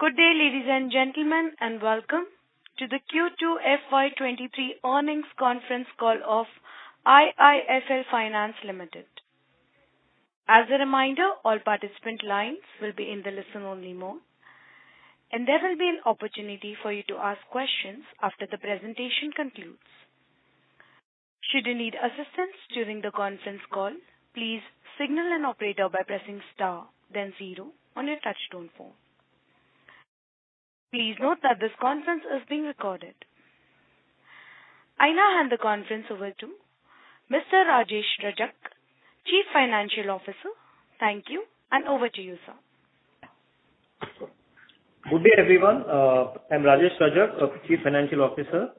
Good day, ladies and gentlemen, and welcome to the Q2 FY 2023 earnings conference call of IIFL Finance Limited. As a reminder, all participant lines will be in the listen-only mode, and there will be an opportunity for you to ask questions after the presentation concludes. Should you need assistance during the conference call, please signal an operator by pressing star then zero on your touchtone phone. Please note that this conference is being recorded. I now hand the conference over to Mr. Rajesh Rajak, Chief Financial Officer. Thank you, and over to you, sir. Good day, everyone. I'm Rajesh Rajak, Chief Financial Officer.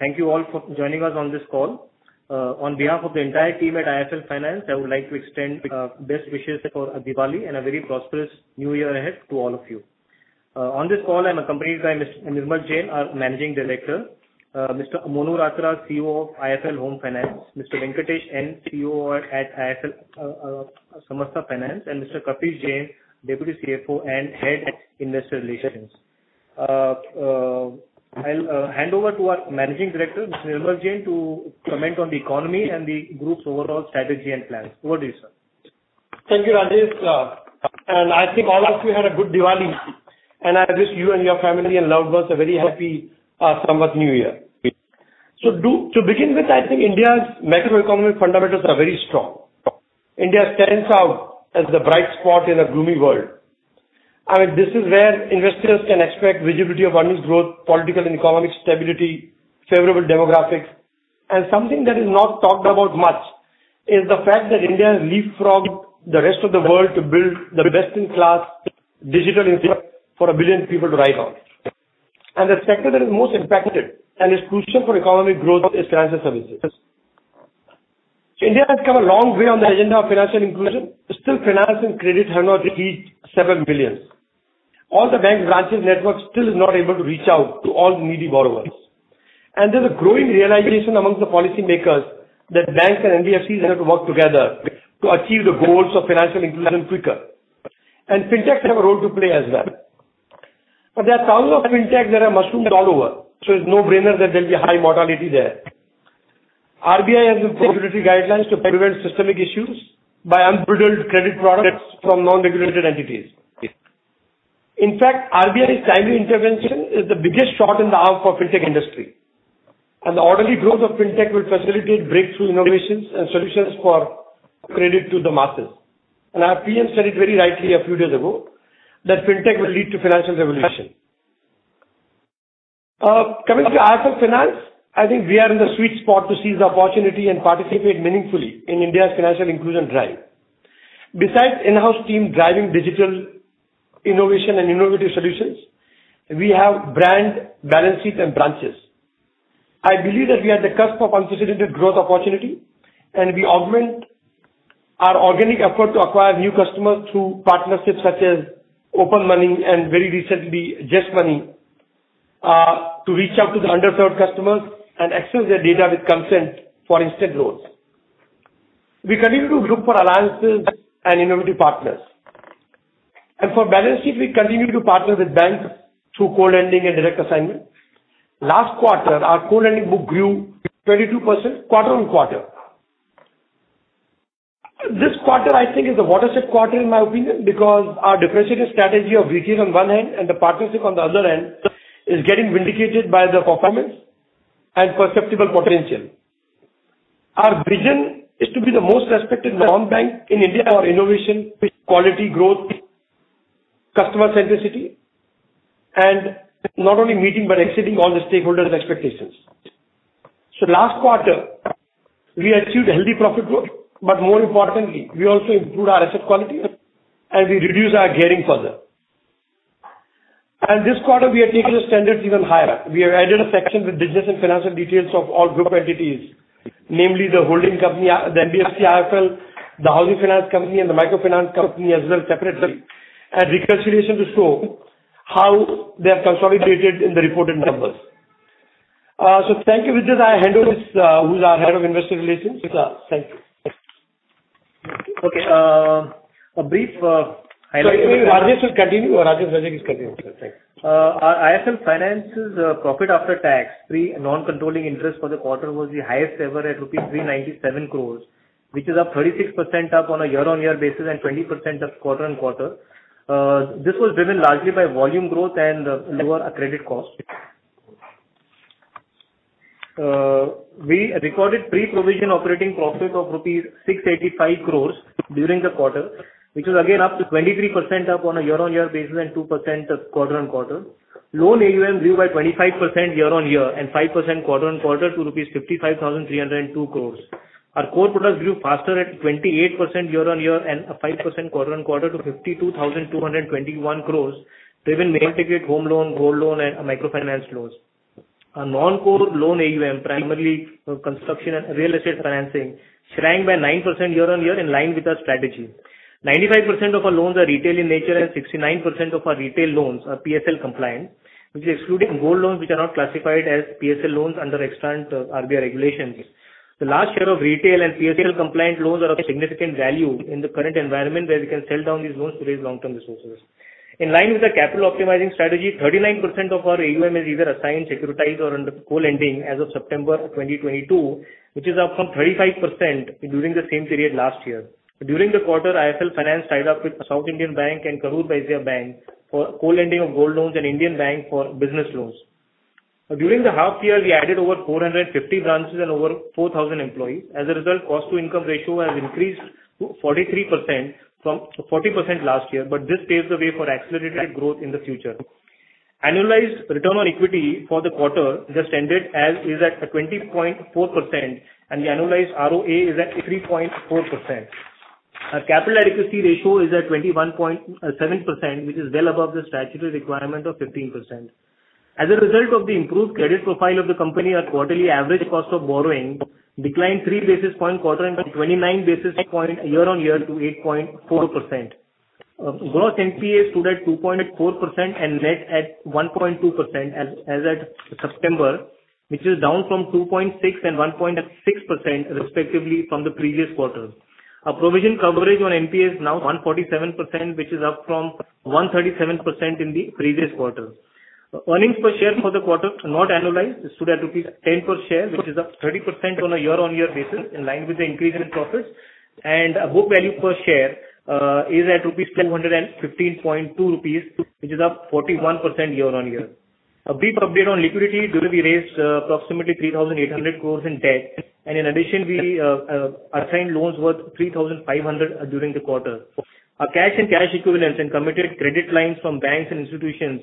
Thank you all for joining us on this call. On behalf of the entire team at IIFL Finance, I would like to extend best wishes for Diwali and a very prosperous new year ahead to all of you. On this call I'm accompanied by Mr. Nirmal Jain, our Managing Director, Mr. Monu Ratra, CEO of IIFL Home Finance, Mr. Venkatesh N., CEO at IIFL Samasta Finance, and Mr. Kapish Jain, Deputy CFO and Head at Investor Relations. I'll hand over to our Managing Director, Mr. Nirmal Jain, to comment on the economy and the group's overall strategy and plans. Over to you, sir. Thank you, Rajesh. I think all of you had a good Diwali, and I wish you and your family and loved ones a very happy Samvat New Year. To begin with, I think India's macroeconomic fundamentals are very strong. India stands out as the bright spot in a gloomy world. I mean, this is where investors can expect visibility of earnings growth, political and economic stability, favorable demographics. Something that is not talked about much is the fact that India has leapfrogged the rest of the world to build the best-in-class digital infra for a billion people to ride on. The sector that is most impacted and is crucial for economic growth is financial services. India has come a long way on the agenda of financial inclusion, but still finance and credit have not reached several millions. All the bank branches network still is not able to reach out to all the needy borrowers. There's a growing realization among the policymakers that banks and NBFCs have to work together to achieve the goals of financial inclusion quicker, and fintechs have a role to play as well. There are thousands of fintechs that have mushroomed all over, so it's a no-brainer that there'll be a high mortality there. RBI has introduced guidelines to prevent systemic issues by unbridled credit products from non-regulated entities. In fact, RBI's timely intervention is the biggest shot in the arm for fintech industry. The orderly growth of fintech will facilitate breakthrough innovations and solutions for credit to the masses. Our PM stated very rightly a few days ago that fintech will lead to financial revolution. Coming to IIFL Finance, I think we are in the sweet spot to seize the opportunity and participate meaningfully in India's financial inclusion drive. Besides in-house team driving digital innovation and innovative solutions, we have brand, balance sheet and branches. I believe that we are at the cusp of unprecedented growth opportunity, and we augment our organic effort to acquire new customers through partnerships such as Open Money and very recently ZestMoney, to reach out to the underserved customers and exchange their data with consent for instant loans. We continue to look for alliances and innovative partners. For balance sheet, we continue to partner with banks through co-lending and direct assignment. Last quarter, our co-lending book grew 22% quarter-over-quarter. This quarter I think is the watershed quarter in my opinion because our differentiated strategy of retail on one hand and the partnership on the other hand is getting vindicated by the performance and perceptible potential. Our vision is to be the most respected non-bank in India for innovation, quality growth, customer centricity, and not only meeting but exceeding all the stakeholders' expectations. Last quarter we achieved healthy profit growth, but more importantly, we also improved our asset quality and we reduced our gearing further. This quarter we are taking the standards even higher. We have added a section with business and financial details of all group entities, namely the holding company, the NBFC IIFL, the housing finance company and the microfinance company as well separately, and reconciliation to show how they are consolidated in the reported numbers. Thank you. With this I hand over to our Head of Investor Relations, Kapish Jain. Thank you. Okay, a brief highlight. Sorry. Rajesh will continue. Rajesh Rajak is continuing. Okay, thanks. Our IIFL Finance's profit after tax, pre non-controlling interest for the quarter was the highest ever at rupees 397 crore, which is up 36% on a year-on-year basis and 20% quarter-on-quarter. This was driven largely by volume growth and lower credit cost. We recorded pre-provision operating profit of rupees 685 crore during the quarter, which is again up 23% on a year-on-year basis and 2% quarter-on-quarter. Loan AUM grew by 25% year-on-year and 5% quarter-on-quarter to rupees 55,302 crore. Our core products grew faster at 28% year-on-year and 5% quarter-on-quarter to 52,221 crore, driven mainly by home loan, gold loan and microfinance loans. Our non-core loan AUM, primarily, construction and real estate financing, shrank by 9% year-on-year in line with our strategy. 95% of our loans are retail in nature, and 69% of our retail loans are PSL compliant, which is excluding gold loans which are not classified as PSL loans under extant, RBI regulations. The large share of retail and PSL compliant loans are of significant value in the current environment where we can sell down these loans to raise long-term resources. In line with the capital optimizing strategy, 39% of our AUM is either assigned, securitized, or under co-lending as of September 2022, which is up from 35% during the same period last year. During the quarter, IIFL Finance tied up with South Indian Bank and Karur Vysya Bank for co-lending of gold loans and Indian Bank for business loans. During the half year, we added over 450 branches and over 4,000 employees. As a result, cost to income ratio has increased to 43% from 40% last year, but this paves the way for accelerated growth in the future. Annualized return on equity for the quarter just ended as is at 20.4%, and the annualized ROA is at 3.4%. Our capital adequacy ratio is at 21.7%, which is well above the statutory requirement of 15%. As a result of the improved credit profile of the company, our quarterly average cost of borrowing declined 3 basis points quarter-on-quarter and 29 basis points year-on-year to 8.4%. Gross NPAs stood at 2.4% and net at 1.2% as at September, which is down from 2.6% and 1.6% respectively from the previous quarter. Our provision coverage on NPAs is now 147%, which is up from 137% in the previous quarter. Earnings per share for the quarter, not annualized, stood at rupees 10 per share, which is up 30% on a year-on-year basis in line with the increase in profits. Our book value per share is at 215.2 rupees, which is up 41% year-on-year. A brief update on liquidity. We raised approximately 3,800 crore in debt, and in addition, we assigned loans worth 3,500 crore during the quarter. Our cash and cash equivalents and committed credit lines from banks and institutions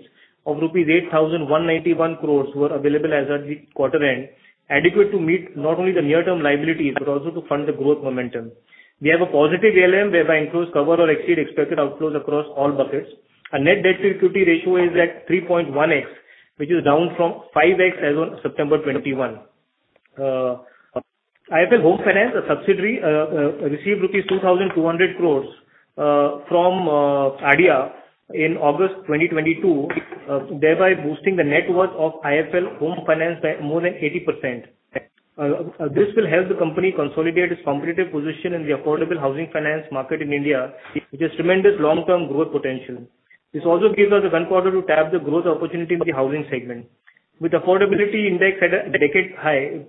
of rupees 8,191 crores were available as at the quarter end, adequate to meet not only the near-term liabilities but also to fund the growth momentum. We have a positive ALM whereby inflows cover or exceed expected outflows across all buckets. Our net debt to equity ratio is at 3.1x, which is down from 5x as on September 2021. IIFL Home Finance, a subsidiary, received rupees 2,200 crores from ADIA in August 2022, thereby boosting the net worth of IIFL Home Finance by more than 80%. This will help the company consolidate its competitive position in the affordable housing finance market in India, which has tremendous long-term growth potential. This also gives us the gunpowder to tap the growth opportunity in the housing segment. With affordability index at a decade high,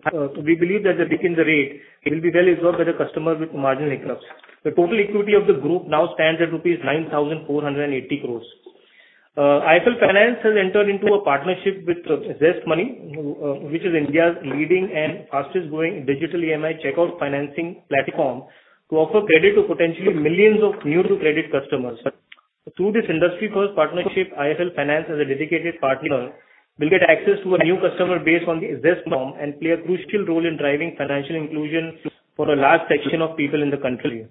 we believe that the decline in the rate will be well absorbed by the customer with marginal hiccups. The total equity of the group now stands at rupees 9,480 crores. IIFL Finance has entered into a partnership with ZestMoney, which is India's leading and fastest growing digital EMI checkout financing platform, to offer credit to potentially millions of new to credit customers. Through this industry-first partnership, IIFL Finance as a dedicated partner will get access to a new customer base on the Zest platform and play a crucial role in driving financial inclusion for a large section of people in the country.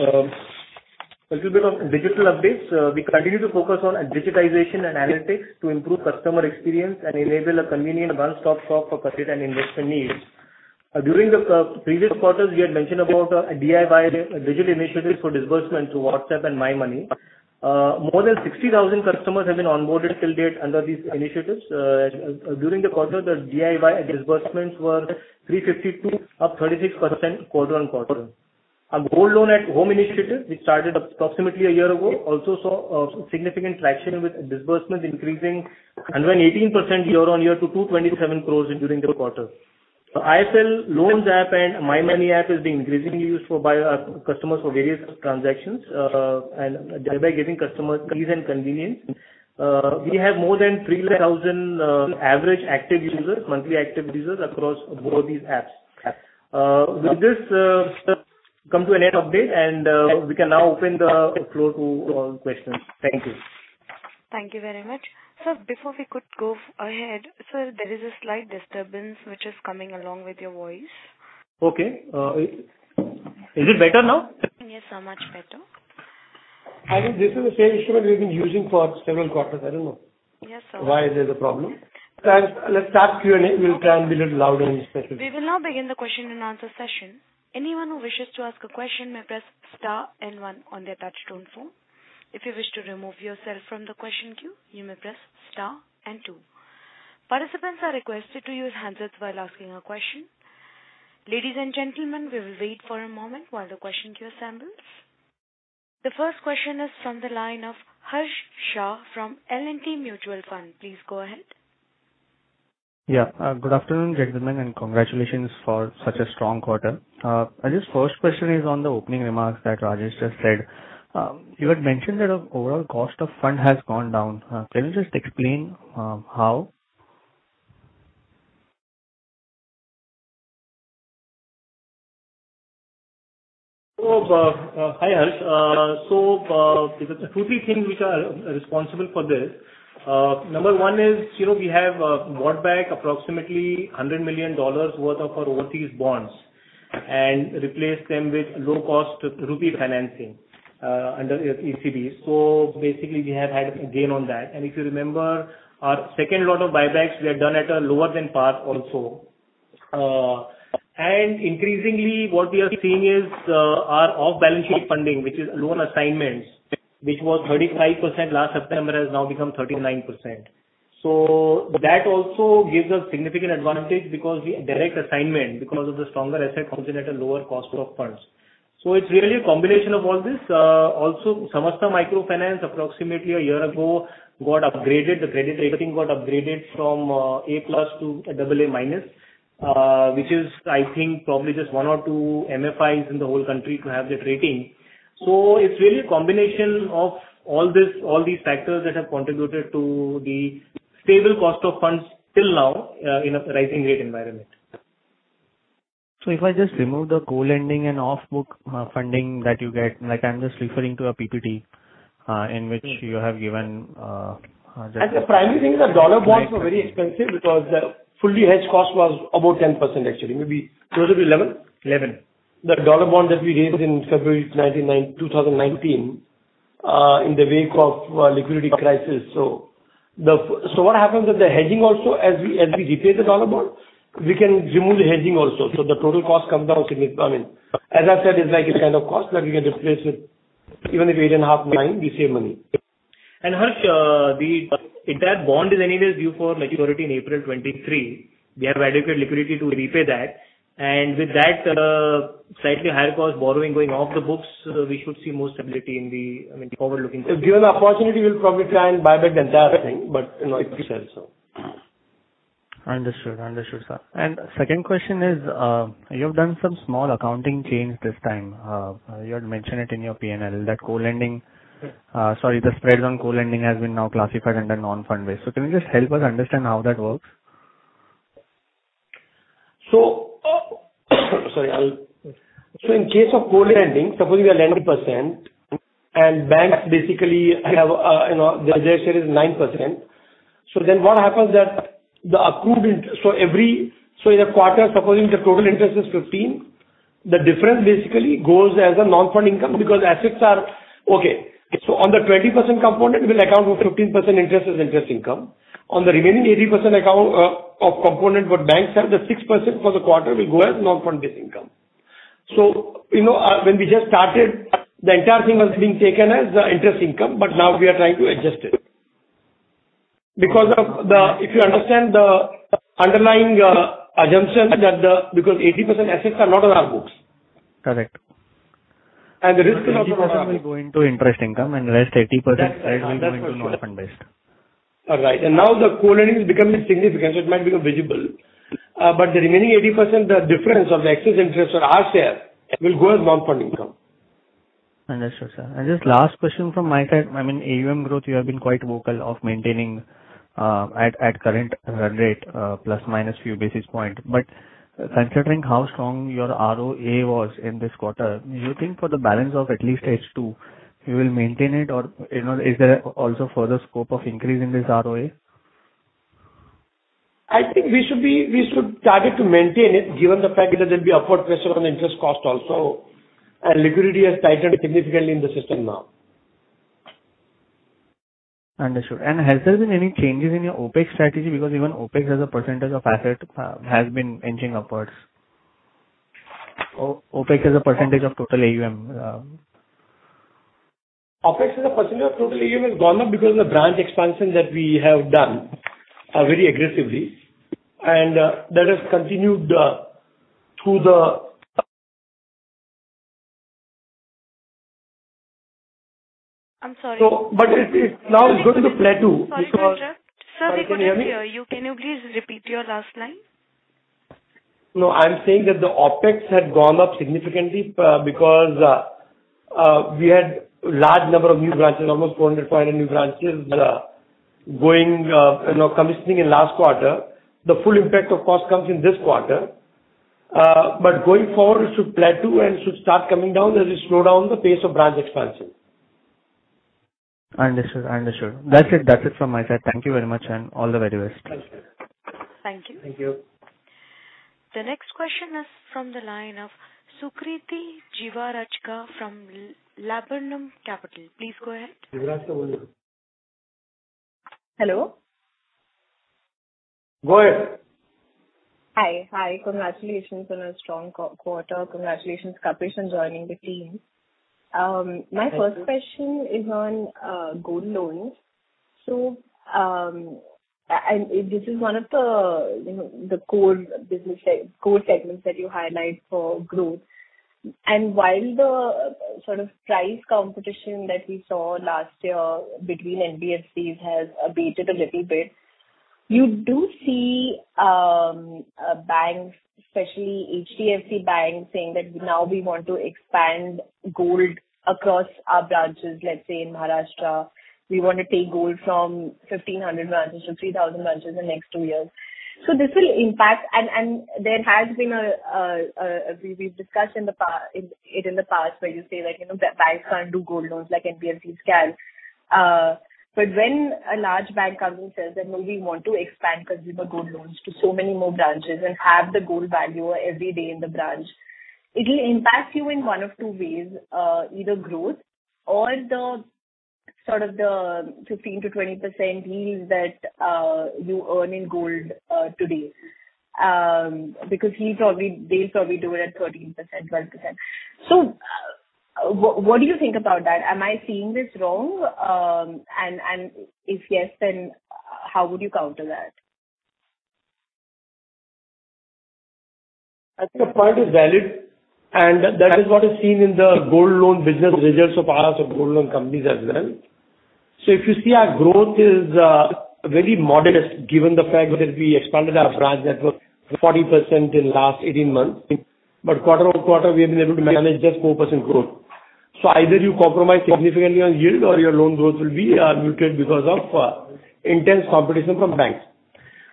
A little bit of digital updates. We continue to focus on digitization and analytics to improve customer experience and enable a convenient one-stop-shop for credit and investment needs. During the previous quarters, we had mentioned about DIY digital initiatives for disbursement through WhatsApp and MyMoney. More than 60,000 customers have been onboarded till date under these initiatives. During the quarter, the DIY disbursements were 352, up 36% quarter-on-quarter. Our Gold Loan at Home initiative, which started approximately a year ago, also saw significant traction with disbursements increasing 118% year-on-year to 227 crore during the quarter. IIFL Loans app and MyMoney app is being increasingly used by customers for various transactions, and thereby giving customers ease and convenience. We have more than 3,000 average monthly active users across both these apps. With this, I come to an end of update, and we can now open the floor to questions. Thank you. Thank you very much. Sir, before we could go ahead. Sir, there is a slight disturbance which is coming along with your voice. Okay. Is it better now? Yes, sir. Much better. I think this is the same instrument we've been using for several quarters. I don't know. Yes, sir. Let's start Q&A. We'll try and be a little louder in specifics. We will now begin the question-and-answer session. Anyone who wishes to ask a question may press star and one on their touch tone phone. If you wish to remove yourself from the question queue, you may press star and two. Participants are requested to use handsets while asking a question. Ladies and gentlemen, we will wait for a moment while the question queue assembles. The first question is from the line of Harsh Shah from L&T Mutual Fund. Please go ahead. Yeah. Good afternoon, gentlemen, and congratulations for such a strong quarter. I guess first question is on the opening remarks that Rajesh just said. You had mentioned that overall cost of funds has gone down. Can you just explain how? Hi, Harsh. There's two, three things which are responsible for this. Number one is, you know, we have bought back approximately $100 million worth of our overseas bonds and replaced them with low-cost rupee financing under ECB. Basically, we have had a gain on that. If you remember our second round of buybacks were done at a lower than par also. Increasingly what we are seeing is our off-balance sheet funding, which is loan assignments, which was 35% last September, has now become 39%. That also gives us significant advantage because of direct assignment because of the stronger asset comes in at a lower cost of funds. It's really a combination of all this. Also IIFL Samasta Finance approximately a year ago got upgraded. The credit rating got upgraded from A+ to AA-, which is I think probably just one or two MFIs in the whole country to have that rating. It's really a combination of all this, all these factors that have contributed to the stable cost of funds till now in a rising rate environment. If I just remove the co-lending and off-book funding that you get, like I'm just referring to a PPT in which you have given. The primary thing is that dollar bonds were very expensive because the fully hedged cost was about 10% actually. Maybe closer to 11%? 11%. The dollar bond that we raised in February 2019, in the wake of liquidity crisis. What happens with the hedging also, as we repay the dollar bond, we can remove the hedging also. The total cost comes down significantly. I mean, as I said, it's like a kind of cost that we can replace with even if we raise a half million, we save money. Harsh, the entire bond is anyways due for maturity in April 2023. We have adequate liquidity to repay that. With that, slightly higher cost borrowing going off the books, we should see more stability in the, I mean, forward-looking. If given the opportunity, we'll probably try and buy back the entire thing, but, you know, in tranches so. Understood, sir. Second question is, you have done some small accounting change this time. You had mentioned it in your P&L, the spreads on co-lending has been now classified under non-fund-based. Can you just help us understand how that works? In case of co-lending, suppose we are lending percent and banks basically have their share is 9%. Then what happens that in a quarter, supposing the total interest is 15%, the difference basically goes as a non-fund income because assets are on the 20% component, we'll account for 15% interest as interest income. On the remaining 80% account of component what banks have, the 6% for the quarter will go as non-fund-based income. You know, when we just started, the entire thing was being taken as interest income, but now we are trying to adjust it. If you understand the underlying assumption that the because 80% assets are not on our books. Correct. The risk is also not on our books. 80% will go into interest income and the rest 80% will go into non-fund-based. All right. Now the co-lending is becoming significant, so it might become visible. The remaining 80%, the difference of the excess interest on our share will go as non-fund income. Understood, sir. Just last question from my side. I mean, AUM growth, you have been quite vocal of maintaining at current rate plus minus few basis points. Considering how strong your ROA was in this quarter, do you think for the balance of at least H2, you will maintain it or, you know, is there also further scope of increase in this ROA? I think we should target to maintain it given the fact that there'll be upward pressure on interest cost also, and liquidity has tightened significantly in the system now. Understood. Has there been any changes in your OpEx strategy? Because even OpEx as a percentage of total AUM has been inching upwards. OpEx as a percentage of total AUM has gone up because of the branch expansion that we have done very aggressively, and that has continued through the. I'm sorry. It now is going to plateau because. Sorry to interrupt. Sir, we couldn't hear you. Can you please repeat your last line? No, I'm saying that the OpEx had gone up significantly, because we had large number of new branches, almost 450 new branches, going, you know, commissioning in last quarter. The full impact of cost comes in this quarter. Going forward, it should plateau and should start coming down as we slow down the pace of branch expansion. Understood. That's it from my side. Thank you very much and all the very best. Thanks. Thank you. Thank you. The next question is from the line of Sukriti Jiwarajka from Laburnum Capital. Please go ahead. Jiwarajka, welcome. Hello. Go ahead. Hi. Hi. Congratulations on a strong quarter. Congratulations, Kapish, on joining the team. Thank you. My first question is on gold loans. This is one of the, you know, the core segments that you highlight for growth. While the sort of price competition that we saw last year between NBFCs has abated a little bit, you do see banks, especially HDFC Bank, saying that now we want to expand gold across our branches, let's say in Maharashtra. We want to take gold from 1,500 branches to 3,000 branches in the next two years. This will impact, and we've discussed it in the past where you say that, you know, banks can't do gold loans like NBFCs can. When a large bank comes and says that, "No, we want to expand consumer gold loans to so many more branches and have the gold valuer every day in the branch," it'll impact you in one of two ways, either growth or the sort of 15%-20% yields that you earn in gold today. Because they probably do it at 13%, 12%. What do you think about that? Am I seeing this wrong? If yes, then how would you counter that? I think your point is valid, and that is what is seen in the gold loan business results of ours and gold loan companies as well. If you see our growth is very modest given the fact that we expanded our branch network 40% in last 18 months. Quarter-over-quarter we have been able to manage just 4% growth. Either you compromise significantly on yield or your loan growth will be muted because of intense competition from banks.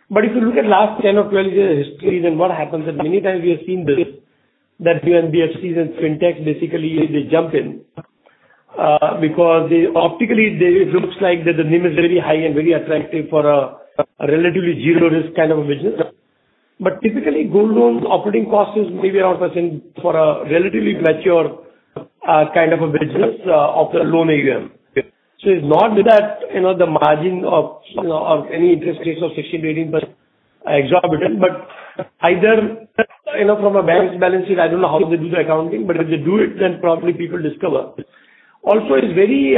If you look at last 10 or 12 years histories and what happens that many times we have seen this, that NBFCs and FinTech basically they jump in because they optically it looks like that the NIM is very high and very attractive for a relatively zero risk kind of a business. Typically gold loan operating cost is maybe around 10% for a relatively mature, kind of a business, of the loan area. It's not that, you know, the margin of, you know, of any interest rates of 16%-18% are exorbitant. Either, you know, from a bank's balance sheet, I don't know how they do the accounting, but if they do it, then probably people discover. Also it's very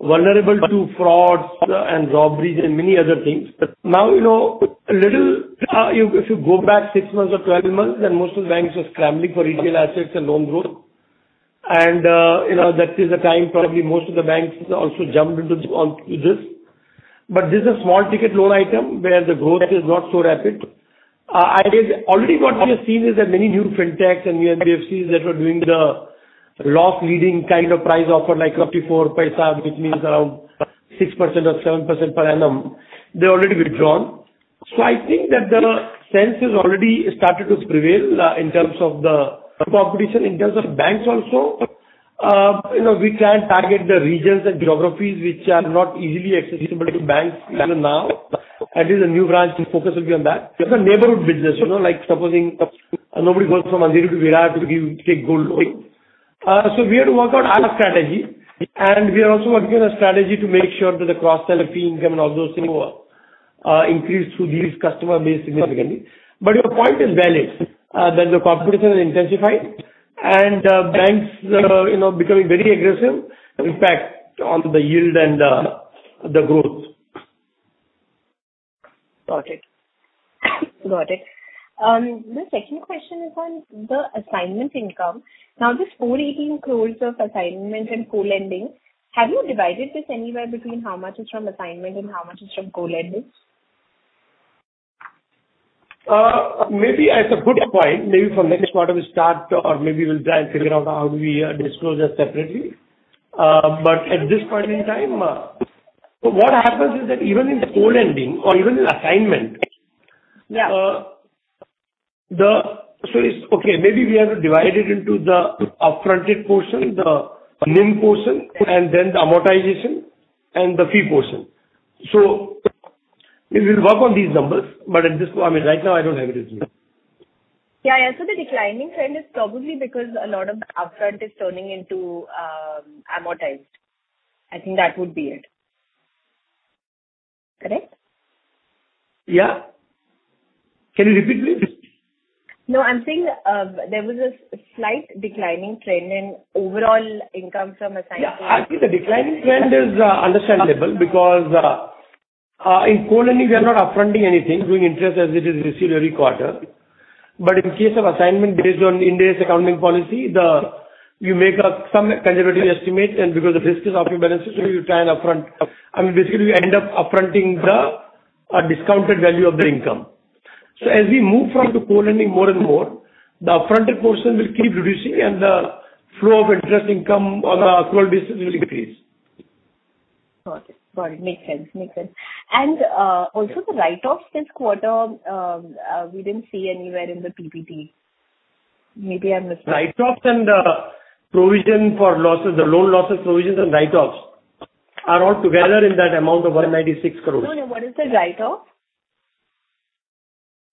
vulnerable to frauds and robberies and many other things. Now, you know, if you go back six months or 12 months, then most of the banks were scrambling for retail assets and loan growth. That is the time probably most of the banks also jumped onto this. This is small ticket loan item where the growth is not so rapid. Already what we have seen is that many new FinTechs and NBFCs that were doing the loss-leading kind of price offer, like up to rupee 4, which means around 6% or 7% per annum, they already withdrawn. I think that the sense is already started to prevail, in terms of the competition. In terms of banks also, you know, we can target the regions and geographies which are not easily accessible to banks even now. At least the new branch's focus will be on that. It's a neighborhood business, you know, like supposing nobody goes from Andheri to Virar to give, take gold loan. We have to work out our strategy and we are also working on a strategy to make sure that the cross-sell of fee income and all those things, increase through this customer base significantly. Your point is valid, that the competition has intensified and, banks, you know, becoming very aggressive impact on the yield and, the growth. Got it. The second question is on the assignment income. Now, this 418 crores of assignment and co-lending, have you divided this anywhere between how much is from assignment and how much is from co-lending? Maybe it's a good point. Maybe from next quarter we start or maybe we'll try and figure out how do we disclose that separately. At this point in time, what happens is that even in co-lending or even in assignment. Yeah. Maybe we have to divide it into the upfronted portion, the NIM portion, and then the amortization and the fee portion. We'll work on these numbers, but at this point, I mean, right now I don't have it with me. Yeah. Yeah. The declining trend is probably because a lot of the upfront is turning into amortized. I think that would be it. Correct? Yeah. Can you repeat please? No, I'm saying, there was a slight declining trend in overall income from assignments. Yeah. I think the declining trend is understandable because in co-lending we are not upfronting anything, doing interest as it is received every quarter. In case of assignment, based on Ind AS, we make some conservative estimate and because the risk is off our balance sheet, so you try and upfront. I mean, basically we end up upfronting the discounted value of the income. As we move from to co-lending more and more, the upfronted portion will keep reducing and the flow of interest income on our total business will increase. Got it. Makes sense. Also the write-offs this quarter, we didn't see anywhere in the PPT. Maybe I missed it. Write-offs and provision for losses, the loan losses provisions and write-offs are all together in that amount of 196 crores. No, no. What is the write-off?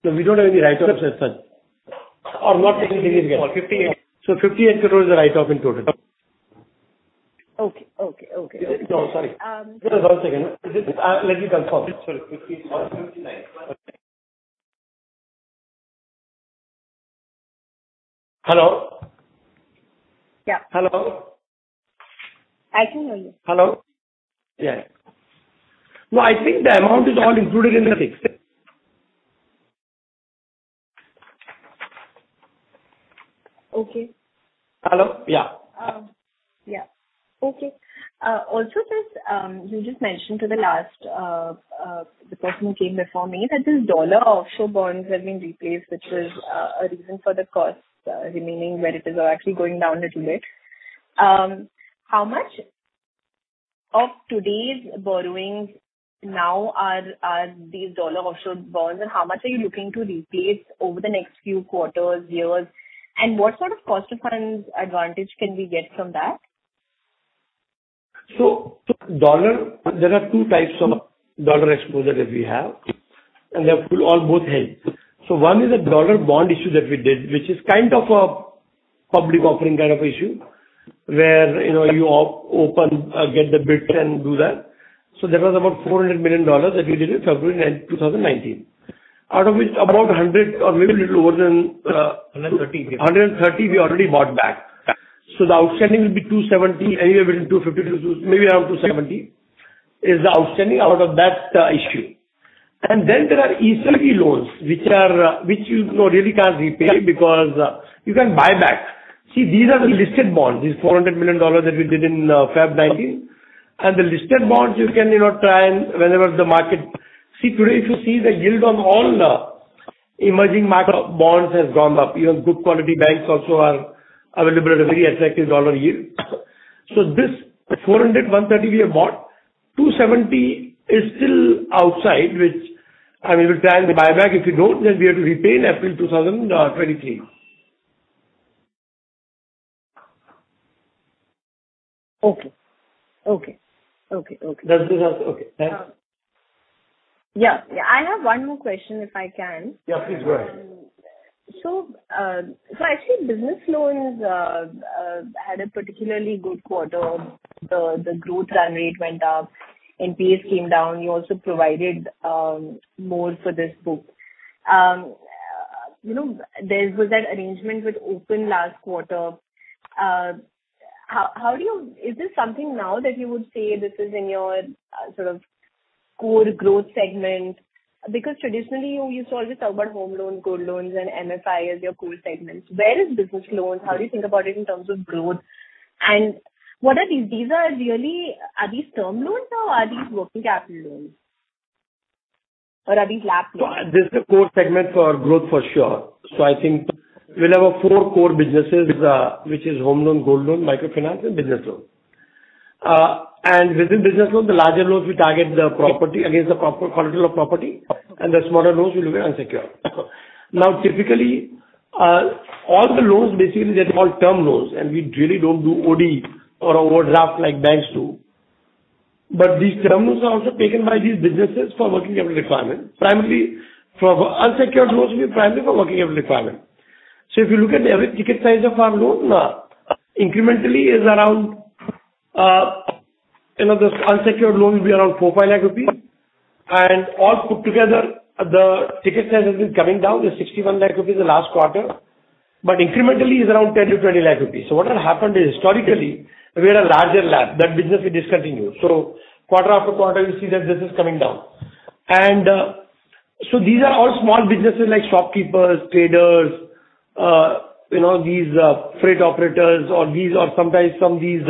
We don't have any write-offs as such, or not anything significant. INR 58 crore. 58 crore is the write-off in total. Okay. No, sorry. Um- Just one second. Let me confirm. Sorry. 59. Hello? Yeah. Hello? I can hear you. Hello? Yeah. No, I think the amount is all included in the sheet. Okay. Hello? Yeah. Yeah. Okay. Also just, you just mentioned to the last person who came before me that the dollar offshore bonds have been replaced, which is a reason for the costs remaining where it is or actually going down little bit. How much of today's borrowings now are these dollar offshore bonds, and how much are you looking to replace over the next few quarters, years? And what sort of cost of funds advantage can we get from that? Dollar, there are two types of dollar exposure that we have, and therefore both help. One is a dollar bond issue that we did, which is kind of a public offering kind of issue where, you know, you open, get the bid and do that. That was about $400 million that we did in February 9, 2019. Out of which about $100 or maybe a little lower than. $130 $130 we already bought back. Right. The outstanding will be 270, anywhere between 250-270, maybe around 270, is the outstanding out of that issue. Then there are ECLGS loans which you know really can't repay because you can buy back. See, these are the listed bonds, these $400 million that we did in February 2019. The listed bonds you can, you know, try and whenever the market. See, today if you see the yield on all the emerging market bonds has gone up. Even good quality banks also are available at a very attractive dollar yield. This $400, $130 we have bought. 270 is still outside, which, I mean, we can buy back. If we don't, then we have to repay in April 2023. Okay. Does this help? Okay, thanks. I have one more question, if I can. Yeah, please go ahead. Actually business loans had a particularly good quarter. The growth run rate went up, NPS came down. You also provided more for this book. You know, there was that arrangement with Open last quarter. Is this something now that you would say this is in your sort of core growth segment? Because traditionally you used to always talk about home loan, gold loans, and MFI as your core segments. Where is business loans? How do you think about it in terms of growth? What are these? These are really term loans or are these working capital loans? Or are these LAP loans? This is a core segment for growth for sure. I think we'll have four core businesses, which is home loan, gold loan, microfinance and business loans. And within business loans, the larger loans we target property against the collateral of property, and the smaller loans will be unsecured. Now, typically, all the loans basically they're called term loans, and we really don't do OD or overdraft like banks do. But these term loans are also taken by these businesses for working capital requirement. Primarily for unsecured loans will be primarily for working capital requirement. If you look at the average ticket size of our loan, incrementally is around, you know, the unsecured loan will be around 4 lakh-5 lakh rupees. All put together, the ticket size has been coming down. It's 61 lakh rupees the last quarter, but incrementally it's around 10 lakh-20 lakh rupees. What has happened is historically we had a larger LAP. That business we discontinued. Quarter-after-quarter you see that this is coming down. These are all small businesses like shopkeepers, traders, you know, these freight operators or sometimes some of these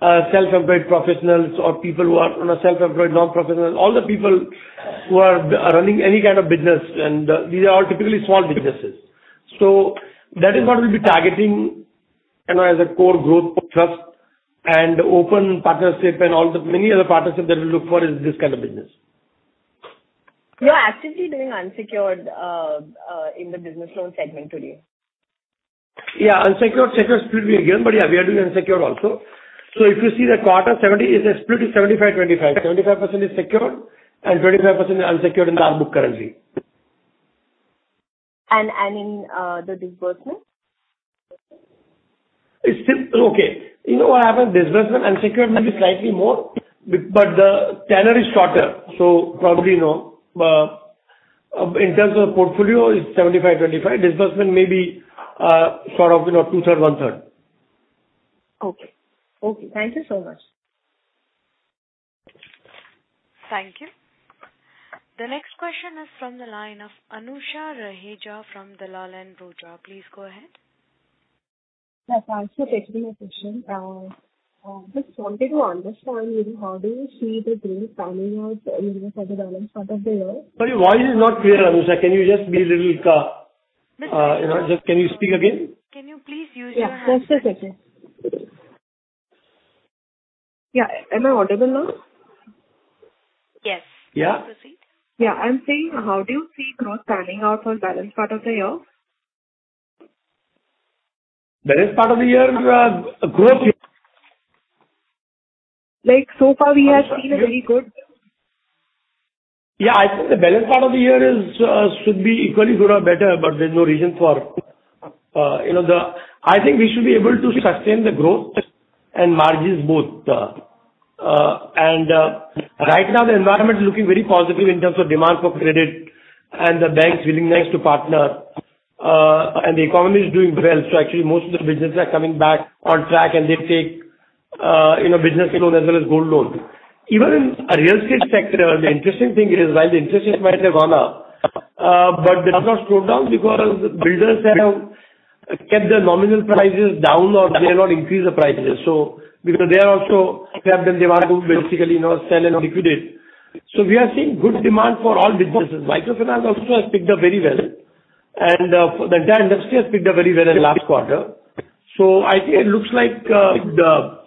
self-employed professionals or people who are, you know, self-employed non-professional. All the people who are running any kind of business, and these are all typically small businesses. That is what we'll be targeting, you know, as a core growth thrust and Open partnership and all the many other partnership that we look for is this kind of business. You are actively doing unsecured in the business loan segment today? Yeah. But yeah, we are doing unsecured also. If you see the quarter's split is 75%-25%. 75% is secured and 25% is unsecured in our book currently. In the disbursement? It's still. Okay. You know what happened? Disbursement, unsecured maybe slightly more but the tenor is shorter, so probably no. In terms of portfolio, it's 75%, 25%. Disbursement may be, sort of, you know, 2/3, 1/3. Okay. Thank you so much. Thank you. The next question is from the line of Anusha Raheja from Dalal & Broacha. Please go ahead. Yes. Thanks for taking the question. Just wanted to understand, you know, how do you see the growth panning out, you know, for the balance part of the year? Sorry, your voice is not clear, Anusha. Just, can you speak again? Mr. Shah, can you please use your headphones? Yeah. Just a second. Yeah. Am I audible now? Yes. Yeah. Proceed. Yeah. I'm saying how do you see growth panning out for balance part of the year? Balanced part of the year, growth. Like so far we have seen a very good. Yeah. I think the balance part of the year is should be equally good or better, but there's no reason for you know I think we should be able to sustain the growth and margins both. Right now the environment is looking very positive in terms of demand for credit and the banks willingness to partner. The economy is doing well, so actually most of the businesses are coming back on track and they take you know business loan as well as gold loan. Even in real estate sector, the interesting thing is, while the interest rates might have gone up, but that has not slowed down because builders, they have kept their nominal prices down or they have not increased the prices. Because they are also, they have the demand to basically, you know, sell and liquidate. We are seeing good demand for all businesses. Microfinance also has picked up very well and, the entire industry has picked up very well in last quarter. I think it looks like, the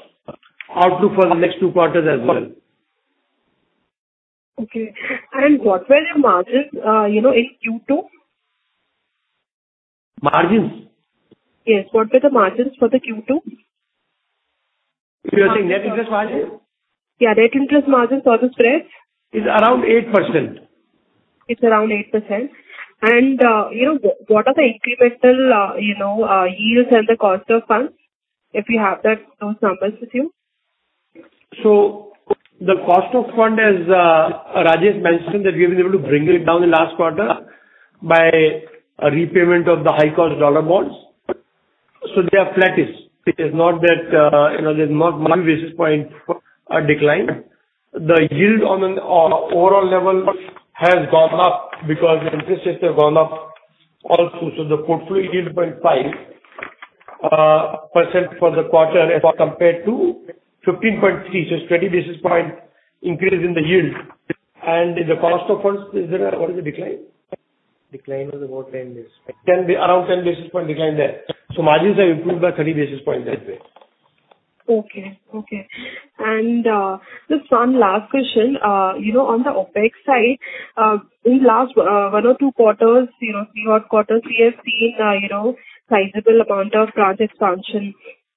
outlook for the next two quarters as well. Okay. What were your margins, you know, in Q2? Margins? Yes. What were the margins for the Q2? You're saying net interest margin? Yeah, net interest margins or the spreads. Is around 8%. It's around 8%. You know, what are the incremental, you know, yields and the cost of funds, if you have that, those numbers with you? The cost of funds, as Rajesh mentioned, that we've been able to bring it down in last quarter by a repayment of the high-cost dollar bonds. They are flattish. It is not that there's not many basis points decline. The yield on an overall level has gone up because the interest rates have gone up also. The portfolio yield 15.5% for the quarter as compared to 15.3%. It's 20 basis points increase in the yield. In the cost of funds, is there a, what is the decline? Decline is about 10 basis point. Can be around 10 basis point decline there. Margins have improved by 30 basis point that way. Okay. Just one last question. You know, on the OpEx side, in the last three or four quarters, we have seen, you know, sizable amount of branch expansion.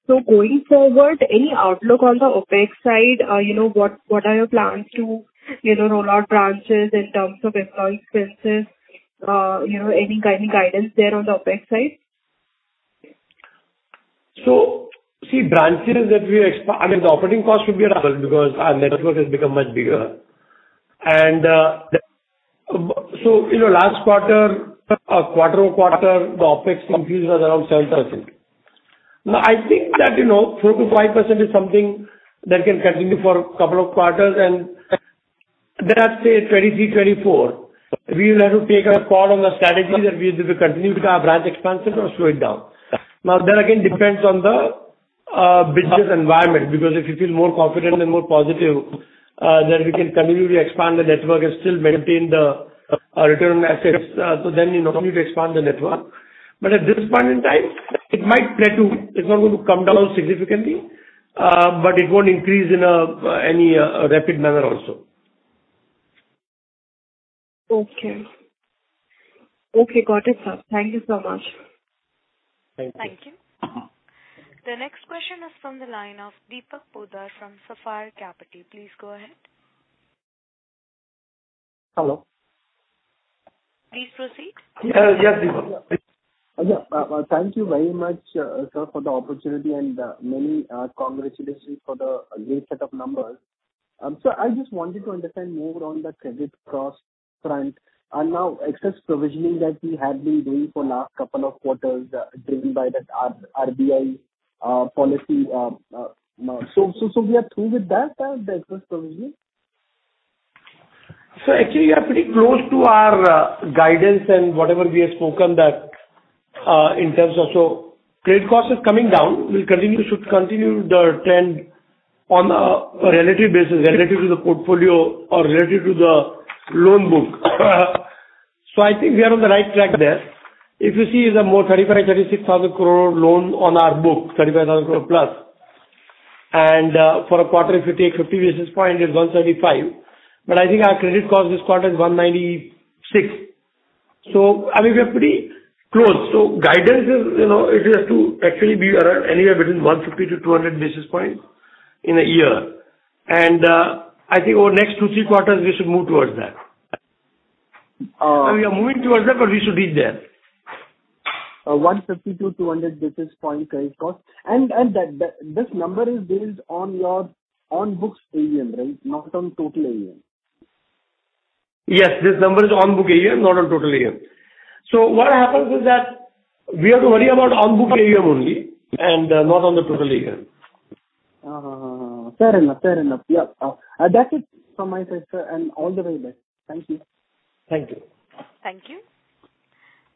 Going forward, any outlook on the OpEx side? You know, what are your plans to, you know, roll out branches in terms of employee expenses? You know, any guidance there on the OpEx side? The operating costs should be another because our network has become much bigger. You know, last quarter-over-quarter, the OpEx increase was around 7%. Now, I think that, you know, 4%-5% is something that can continue for couple of quarters and then I'd say 2023, 2024, we will have to take a call on the strategy that we have to continue with our branch expansion or slow it down. Now, that again depends on the business environment because if you feel more confident and more positive, then we can continue to expand the network and still maintain the return on assets. You know, continue to expand the network. But at this point in time, it might plateau. It's not going to come down significantly, but it won't increase in any rapid manner also. Okay. Got it, sir. Thank you so much. Thank you. Thank you. The next question is from the line of Deepak Poddar from Sapphire Capital. Please go ahead. Hello. Please proceed. Yeah. Yes, Deepak. Yeah. Thank you very much, sir, for the opportunity and many congratulations for the great set of numbers. I just wanted to understand more on the credit cost front and now excess provisioning that we had been doing for last couple of quarters, driven by the RBI policy, so we are through with that, the excess provisioning? Actually we are pretty close to our guidance and whatever we have spoken that in terms of trade cost is coming down. We should continue the trend on a relative basis, relative to the portfolio or relative to the loan book. I think we are on the right track there. If you see more than 35,000 crore-36,000 crore loan on our book, 35,000 crore+, and for a quarter, if you take 50 basis points, it's 135 crore. But I think our credit cost this quarter is 196 crore. I mean, we're pretty close. Guidance is, you know, it has to actually be around anywhere between 150 to 200 basis points in a year. I think over next two, three quarters, we should move towards that. Uh- I mean, we are moving towards that, but we should be there. 150-200 basis points credit cost. That this number is based on your on books AUM, right? Not on total AUM. Yes. This number is on-book AUM, not on total AUM. What happens is that we have to worry about on-book AUM only and not on the total AUM. Fair enough. Yeah. That's it from my side, sir, and all the very best. Thank you. Thank you. Thank you.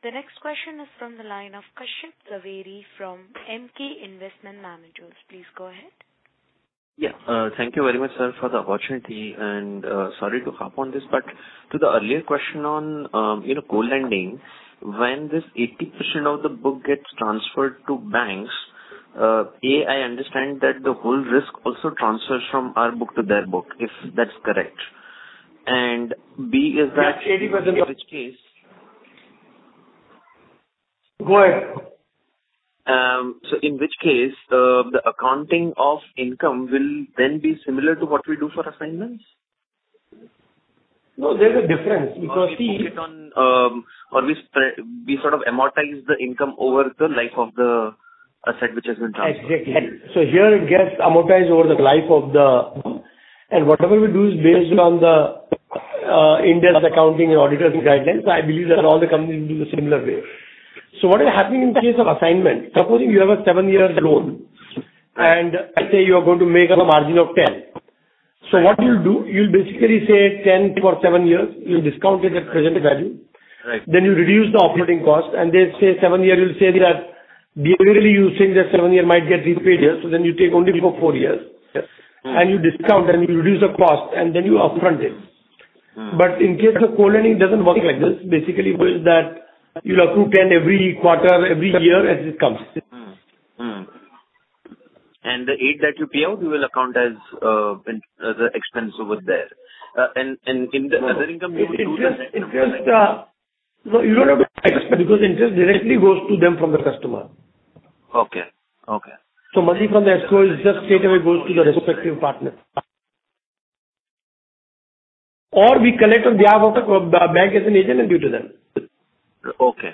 The next question is from the line of Kashyap Javeri from Emkay Investment Managers. Please go ahead. Yeah. Thank you very much, sir, for the opportunity and, sorry to harp on this, but to the earlier question on, you know, co-lending, when this 80% of the book gets transferred to banks, A, I understand that the whole risk also transfers from our book to their book, if that's correct. B, is that- Yes, 80%. In which case. Go ahead. In which case, the accounting of income will then be similar to what we do for assignments? No, there's a difference because see. We book it on, or we sort of amortize the income over the life of the asset which has been transferred. Exactly. Here it gets amortized over the life of the loan, and whatever we do is based on the Indian accounting and auditing guidelines. I believe that all the companies will do similarly. What is happening in case of assignment, supposing you have a seven-year loan, and let's say you are going to make a margin of 10%. What you'll do, you'll basically say 10 p.a. for seven years, you'll discount it at present value. Right. You reduce the operating cost and they say 7 years, you'll say that the really you think that seven year might get repaid here, so then you take only four years. Yes. You discount and you reduce the cost and then you upfront it. Mm. In case of co-lending, it doesn't work like this. Basically, it is that you'll accrue 10% every quarter, every year as it comes. The 8 that you pay out, you will account as an expense over there. In the other income you will do the Interest, no you don't have to accrue expense because interest directly goes to them from the customer. Okay. Okay. Money from the SQ is just straightaway goes to the respective partner. We collect on behalf of the bank as an agent and give to them. Okay.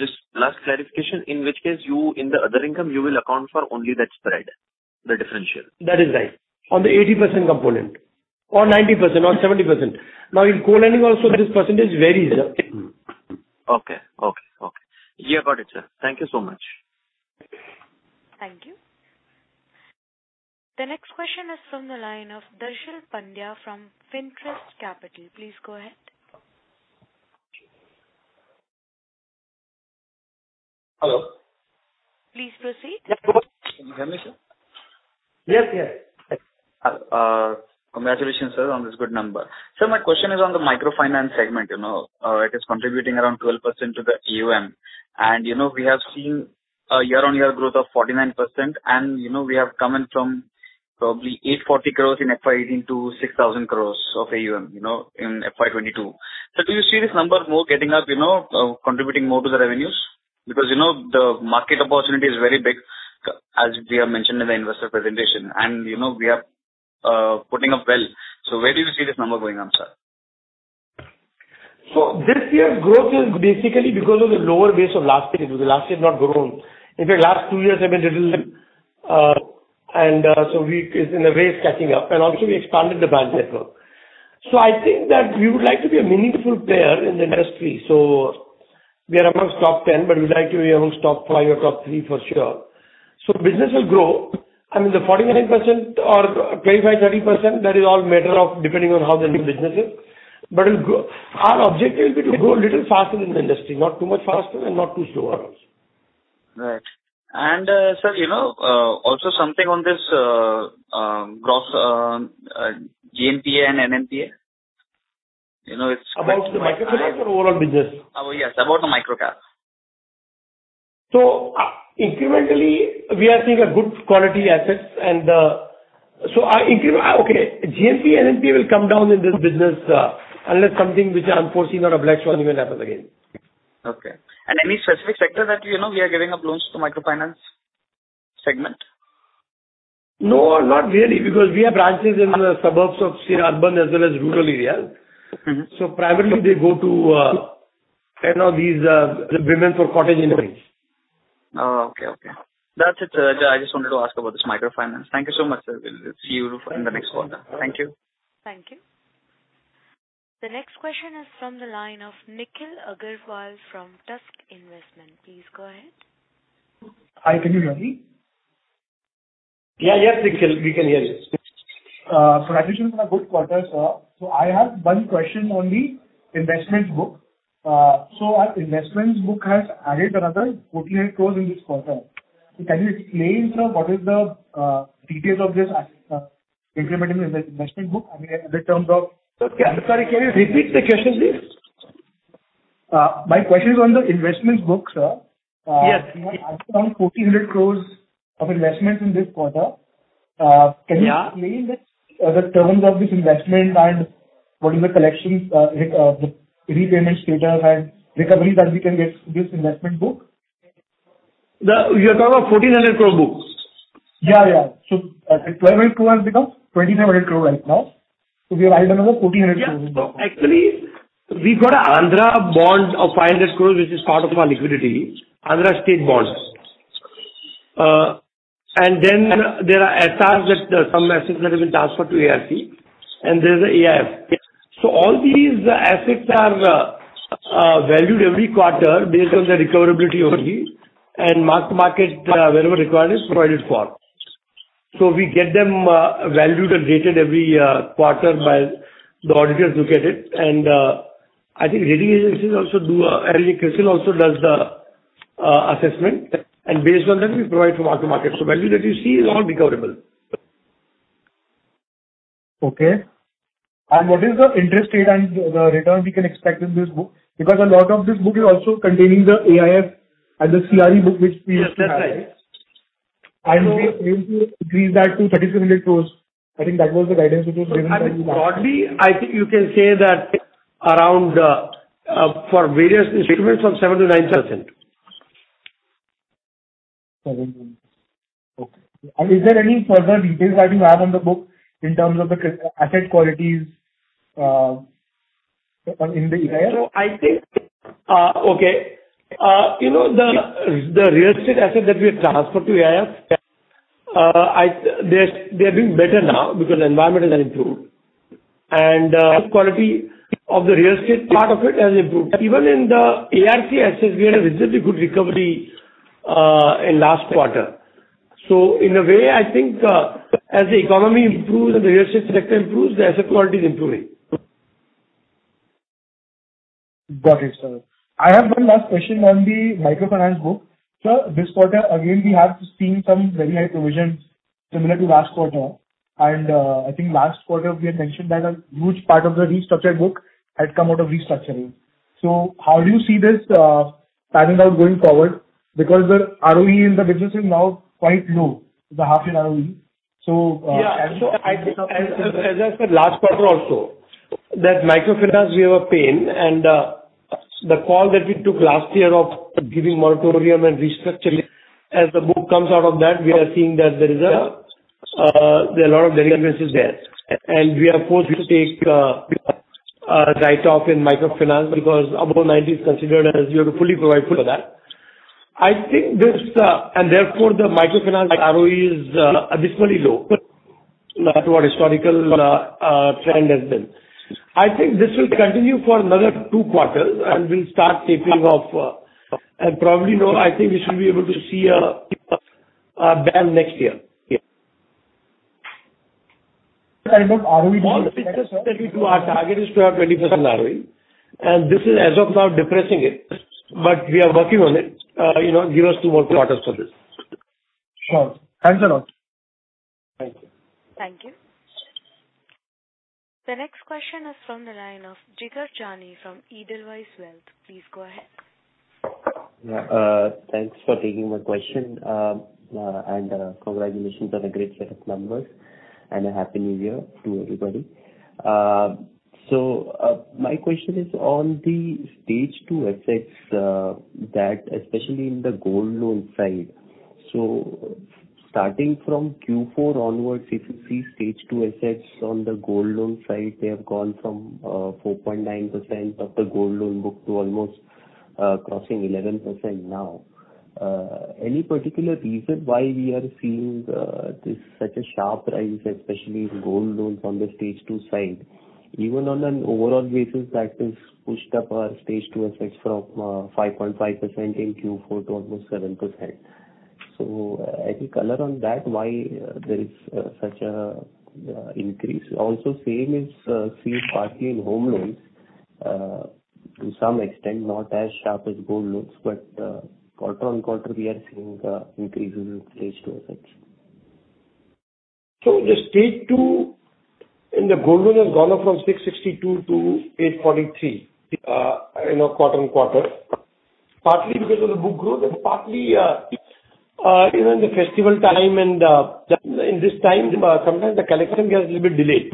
Just last clarification. In which case you, in the other income, you will account for only that spread, the differential? That is right. On the 80% component or 90% or 70%. Now, in co-lending also this percentage varies. Okay. Yeah, got it, sir. Thank you so much. Thank you. The next question is from the line of Darshan Pandya from Fintrust Capital. Please go ahead. Hello. Please proceed. Can you hear me, sir? Yes, yes. Congratulations, sir, on this good number. Sir, my question is on the microfinance segment. You know, it is contributing around 12% to the AUM. You know, we have seen a year-on-year growth of 49%. You know, we have come in from probably 840 crore in FY 2018 to 6,000 crore of AUM, you know, in FY 2022. Do you see this number more getting up, you know, contributing more to the revenues? Because, you know, the market opportunity is very big, as we have mentioned in the investor presentation, and, you know, we are putting up well. Where do you see this number going up, sir? This year's growth is basically because of the lower base of last year. Because last year has not grown. In fact, last two years have been little. We, in a way, it's catching up. We also expanded the branch network. I think that we would like to be a meaningful player in the industry. We are among top 10, but we'd like to be among top five or top three for sure. Business will grow and the 49% or 25%-30%, that is all matter of depending on how the new business is. It'll grow. Our objective will be to grow a little faster than the industry, not too much faster and not too slower also. Right. Sir, you know, also something on this, gross GNPA and NNPA. You know, it's About the microfinance or overall business? Yes, about the micro, yeah. Incrementally, we are seeing good quality assets, and GNPA, NNPA will come down in this business, unless something which are unforeseen or a black swan event happens again. Okay. Any specific sector that, you know, we are giving out loans to microfinance segment? No, not really. Because we have branches in the suburbs of semi-urban as well as rural areas. Mm-hmm. Primarily they go to, you know, these women for cottage industries. Oh, okay. That's it, sir. I just wanted to ask about this microfinance. Thank you so much, sir. We'll see you in the next quarter. Thank you. Thank you. The next question is from the line of Nikhil Agarwal from Tusk Investments. Please go ahead. Hi. Can you hear me? Yeah, yes, Nikhil. We can hear you. Congratulations on a good quarter, sir. I have one question only. Investments book. Our investments book has added another INR 1,400 crores in this quarter. Can you explain, sir, what is the details of this increment in the investment book? I mean, in terms of- Sir, sorry, can you repeat the question please? My question is on the investments book, sir. Yes. You have added around 1,400 crore of investments in this quarter. Yeah. Can you explain the terms of this investment and what is the collections, like, the repayment status and recovery that we can get this investment book? You're talking about INR 1,400 crore books? The 1,200 crore has become 2,700 crore right now. We have added another 1,400 crore. Yeah. Actually, we've got an Andhra bond of 500 crores, which is part of our liquidity. Andhra state bonds. There are SRs, some assets that have been transferred to ARC, and there's the AIF. All these assets are valued every quarter based on the recoverability only and mark-to-market wherever required is provided for. We get them valued and rated every quarter by the auditors who get it. I think rating agencies also do. ICRA, CRISIL also does the assessment. Based on that, we provide for mark-to-market. Value that you see is all recoverable. Okay. What is the interest rate and the return we can expect in this book? Because a lot of this book is also containing the AIF and the CRE book which we used to have. Yes, that's right. I know we agreed to increase that to 3,700 crores. I think that was the guidance which was given by you. Broadly, I think you can say that around, for various instruments 7%-9%. 7%-9%. Okay. Is there any further details that you have on the book in terms of asset qualities in the AIF? I think you know the real estate assets that we have transferred to AIF, they're doing better now because the environment has improved and quality of the real estate part of it has improved. Even in the ARC assets, we had a reasonably good recovery in last quarter. In a way, I think as the economy improves and the real estate sector improves, the asset quality is improving. Got it, sir. I have one last question on the microfinance book. Sir, this quarter again, we have seen some very high provisions similar to last quarter. I think last quarter we had mentioned that a huge part of the restructured book had come out of restructuring. How do you see this panning out going forward? Because the ROE in the business is now quite low, the half-year ROE. I think, as I said last quarter also, that microfinance we have a pain. The call that we took last year of giving moratorium and restructuring, as the book comes out of that, we are seeing that there are a lot of delinquencies there. We are forced to take write-off in microfinance because above 90 is considered as you have to fully provide for that. I think this and therefore, the microfinance ROE is abnormally low to what historical trend has been. I think this will continue for another two quarters, and we'll start tapering off, and probably, you know, I think we should be able to see a bang next year. On ROE. Our target is to have 20% ROE, and this is as of now depressing it, but we are working on it. You know, give us two more quarters for this. Sure. Thanks a lot. Thank you. Thank you. The next question is from the line of Jigar Jani from Edelweiss Wealth. Please go ahead. Yeah. Thanks for taking my question. Congratulations on a great set of numbers and a happy New Year to everybody. My question is on the stage two assets, that especially in the gold loan side. Starting from Q4 onwards, if you see Stage Two assets on the gold loan side, they have gone from 4.9% of the gold loan book to almost crossing 11% now. Any particular reason why we are seeing this such a sharp rise, especially in gold loans on the stage two side? Even on an overall basis, that has pushed up our Stage Two assets from 5.5% in Q4 to almost 7%. Any color on that, why there is such a increase? Also same is seen partly in home loans, to some extent, not as sharp as gold loans, but quarter-on-quarter we are seeing the increase in stage two assets. The stage two in the gold loan has gone up from 662 to 843, you know, quarter-on-quarter, partly because of the book growth and partly, you know, in the festival time and, in this time, sometimes the collection gets a little bit delayed.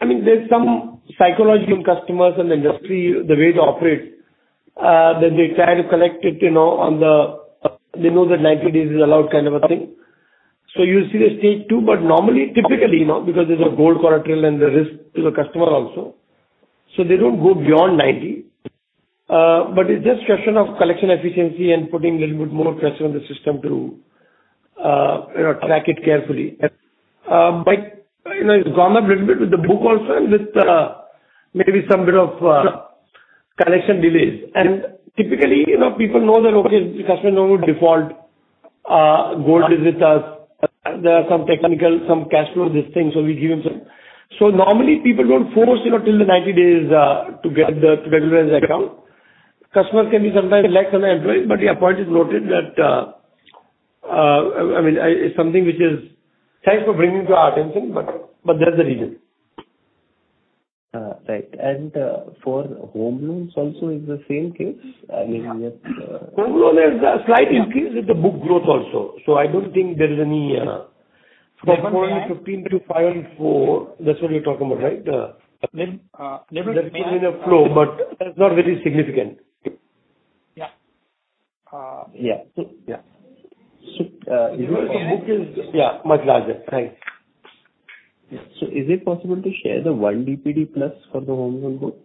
I mean, there's some psychology in customers and the industry, the way they operate, that they try to collect it, you know, they know that 90 days is allowed kind of a thing. You see the stage two. But normally, typically, you know, because there's a gold collateral and the risk to the customer also, so they don't go beyond 90. But it's just question of collection efficiency and putting a little bit more pressure on the system to, you know, track it carefully. You know, it's gone up a little bit with the book also and with maybe some bit of collection delays. Typically, you know, people know that, okay, the customer don't default on gold with us. There are some technical, some cash flow, this thing, so we give him some. Normally people don't force, you know, till the 90 days to regularize the account. Customers can be sometimes lax on the EMI but yeah, point is noted that I mean it's something which is. Thanks for bringing it to our attention. That's the reason. Right. For home loans also is the same case? I mean, we have Home loan has a slight increase with the book growth also. I don't think there is any from 0.15% to 5.4%, that's what you're talking about, right? Uh, level may- There's been a flow, but that's not very significant. Yeah. Yeah. Yeah. The book is, yeah, much larger. Thanks. Is it possible to share the 1 DPD plus for the home loan book?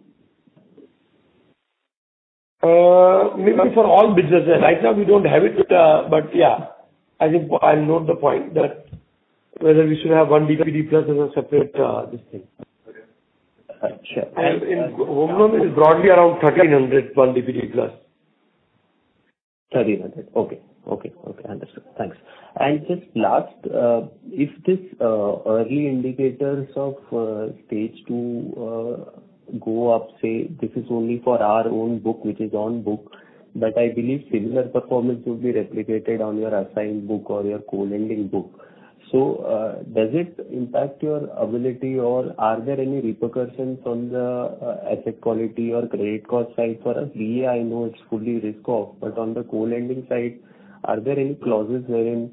Maybe for all businesses. Right now we don't have it, but yeah. I think I'll note the point that whether we should have 1 DPD plus as a separate, this thing. Okay. Sure. In home loan it is broadly around 1,300, 1 DPD plus. 300. Okay. Understood. Thanks. Just last, if this early indicators of stage two go up, say this is only for our own book, which is on-book, but I believe similar performance will be replicated on your assigned book or your co-lending book. Does it impact your ability or are there any repercussions on the asset quality or credit cost side for us? I know it's fully risk-off, but on the co-lending side, are there any clauses wherein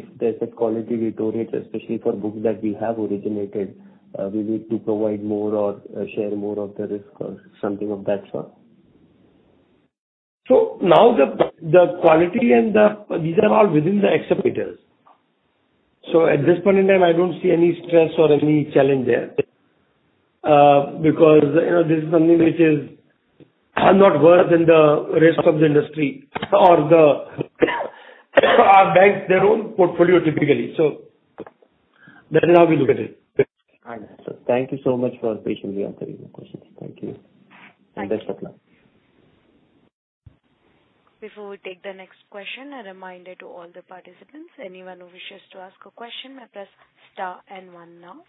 if the asset quality deteriorates, especially for books that we have originated, we need to provide more or share more of the risk or something of that sort? Now the quality and these are all within the acceptors. At this point in time, I don't see any stress or any challenge there, because, you know, this is something which is not worse than the rest of the industry or our banks, their own portfolio typically. That is how we look at it. Understood. Thank you so much for patiently answering my questions. Thank you. Thank you. Best of luck. Before we take the next question, a reminder to all the participants, anyone who wishes to ask a question may press star and one now.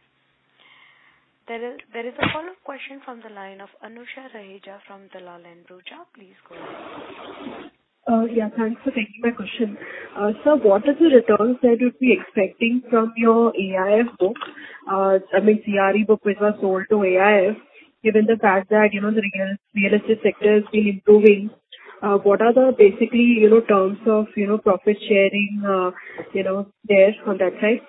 There is a follow-up question from the line of Anusha Raheja from Dalal & Broacha. Please go ahead. Yeah. Thanks for taking my question. Sir, what are the returns that you'd be expecting from your AIF book? I mean, CRE book which was sold to AIF, given the fact that, you know, the real estate sector has been improving. What are basically, you know, terms of, you know, profit sharing, you know, there on that side?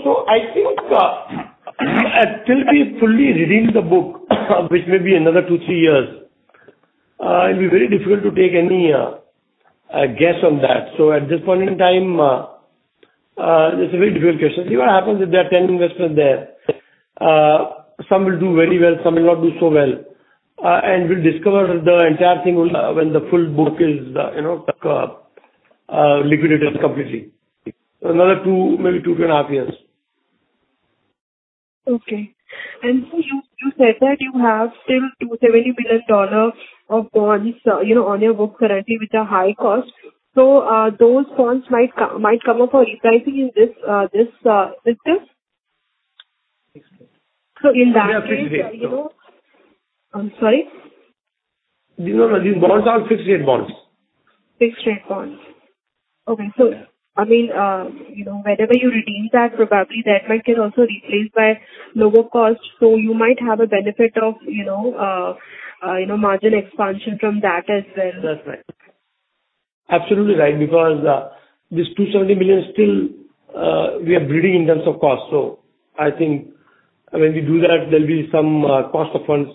I think until we fully redeem the book, which may be another two to three years, it'll be very difficult to take any guess on that. At this point in time, that's a very difficult question. See what happens if there are 10 investors there. Some will do very well, some will not do so well. We'll discover the entire thing when the full book is liquidated completely. Another two, maybe 2.5 years. Okay. You said that you have still $270 million of bonds, you know, on your books currently, which are high cost. Those bonds might come up for refinancing in this quarter? In that case, you know- They are fixed rate. I'm sorry? No, no. These bonds are fixed-rate bonds. Fixed rate bonds. Okay. I mean, you know, whenever you redeem that, probably that might get also replaced by lower cost, so you might have a benefit of, you know, margin expansion from that as well. Absolutely right. This 270 million still, we are borrowing in terms of cost. I think when we do that, there'll be some cost of funds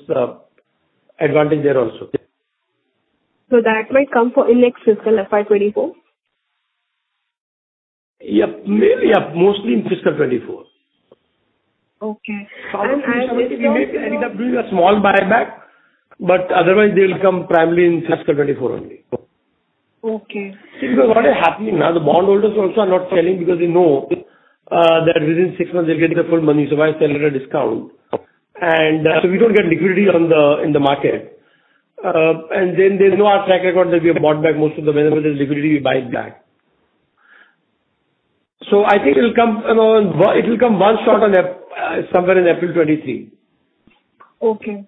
advantage there also. That might come for in next fiscal, FY 2024? Yep. May, yep. Mostly in fiscal 2024. Okay. If you want to. Probably we may end up doing a small buyback, but otherwise they'll come primarily in fiscal 2024 only. Okay. See, because what is happening now, the bondholders also are not selling because they know that within six months they're getting their full money, so why sell it at a discount? We don't get liquidity in the market. They know our track record, that we have bought back most of them. Whenever there's liquidity, we buy it back. I think it'll come, you know, it will come one shot on ECB somewhere in April 2023. Okay.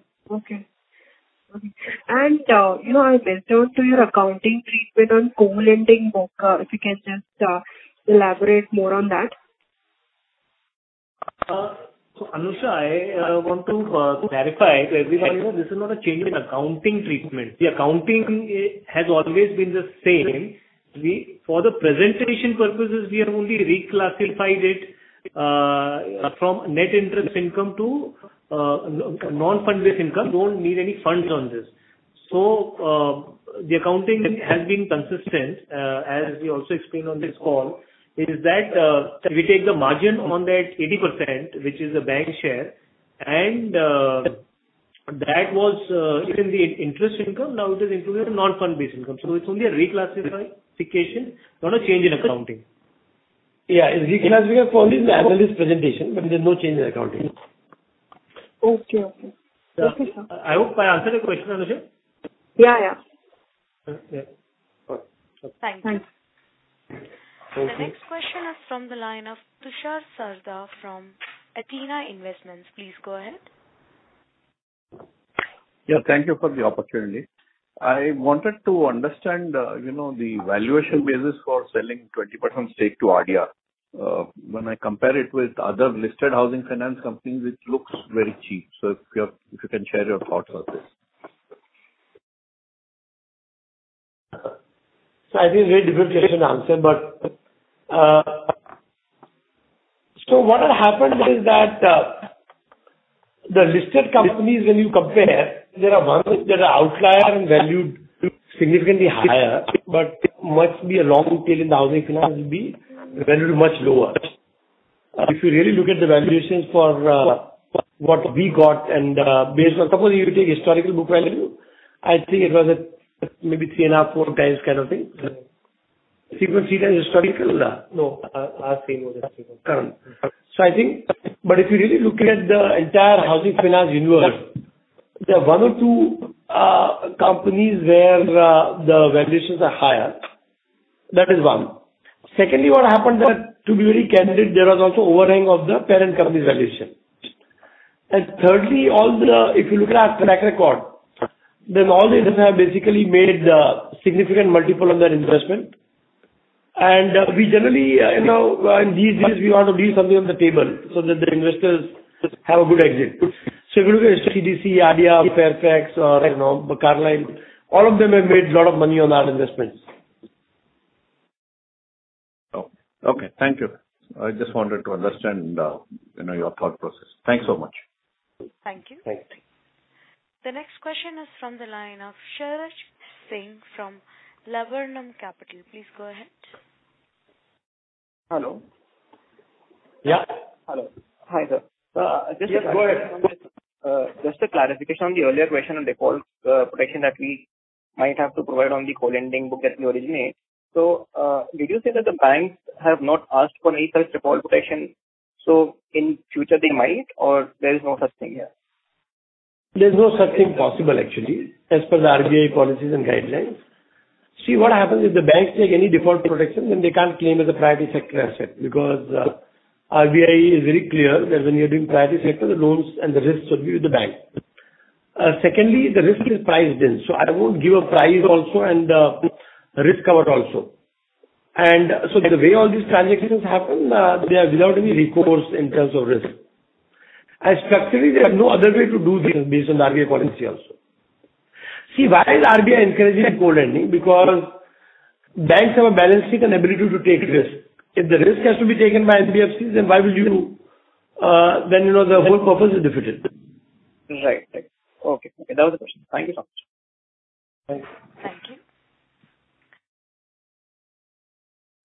You know, I referred to your accounting treatment on co-lending book. If you can just elaborate more on that. Anusha, I want to clarify to everybody that this is not a change in accounting treatment. The accounting has always been the same. For the presentation purposes, we have only reclassified it from net interest income to non-fund-based income. Don't need any funds on this. The accounting has been consistent. As we also explained on this call, is that we take the margin on that 80%, which is the bank share, and that was the interest income. Now it is included in non-fund-based income. It's only a reclassification, not a change in accounting. Yeah. It's reclassification only in the analyst presentation, but there's no change in accounting. Okay, sir. I hope I answered your question, Anusha? Yeah, yeah. Yeah. All right. Thank you. Thank you. The next question is from the line of Tushar Sarda from Athena Investments. Please go ahead. Yeah, thank you for the opportunity. I wanted to understand the valuation basis for selling 20% stake to ADIA. When I compare it with other listed housing finance companies, it looks very cheap. If you have, if you can share your thoughts about this. I think it's a very difficult question to answer, but what had happened is that the listed companies when you compare, there are ones that are outliers and valued significantly higher, but must be a long tail in the housing finance will be valued much lower. If you really look at the valuations for what we got and based on. Suppose you take historical book value, I think it was at maybe 3.5x-4x kind of thing. If you consider historical or no as same as the current. Current. I think, but if you really look at the entire housing finance universe, there are one or two companies where the valuations are higher. That is one. Secondly, what happened that to be very candid, there was also overhang of the parent company's valuation. Thirdly, if you look at our track record, then all the investors have basically made a significant multiple on their investment. We generally, you know, in these deals we want to leave something on the table so that the investors have a good exit. If you look at CDC, ADIA, Fairfax, you know, Carlyle, all of them have made lot of money on our investments. Oh, okay. Thank you. I just wanted to understand, you know, your thought process. Thanks so much. Thank you. Thank you. The next question is from the line of Sharaj Singh from Laburnum Capital. Please go ahead. Hello. Yeah. Hello. Hi there. Yes, go ahead. Just a clarification on the earlier question on default protection that we might have to provide on the co-lending book that we originate. Did you say that the banks have not asked for any such default protection, so in future they might, or there is no such thing? There's no such thing possible actually, as per the RBI policies and guidelines. See, what happens if the banks take any default protection, then they can't claim as a priority sector asset. RBI is very clear that when you are doing priority sector, the loans and the risks should be with the bank. Secondly, the risk is priced in, so I won't give a price also and risk cover also. The way all these transactions happen, they are without any recourse in terms of risk. Structurally, there's no other way to do this based on the RBI policy also. See, why is RBI encouraging co-lending? Banks have a balance sheet and ability to take risk. If the risk has to be taken by NBFCs, then why would you then, you know, the whole purpose is defeated. Right. Okay. That was the question. Thank you so much. Thanks. Thank you.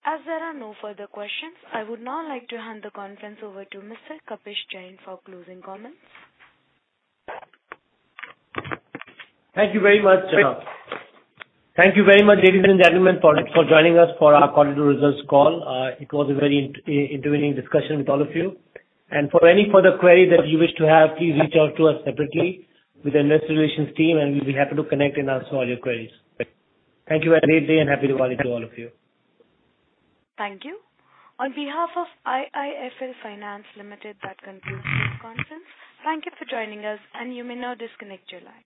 As there are no further questions, I would now like to hand the conference over to Mr. Kapish Jain for closing comments. Thank you very much. Thank you very much, ladies and gentlemen, for joining us for our quarterly results call. It was a very interesting discussion with all of you. For any further query that you wish to have, please reach out to us separately with our investor relations team, and we'll be happy to connect and answer all your queries. Thank you, have a great day, and happy Diwali to all of you. Thank you. On behalf of IIFL Finance Limited, that concludes this conference. Thank you for joining us, and you may now disconnect your lines.